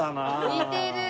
似てる。